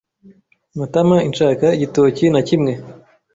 Matamainshaka igitoki na kimwe.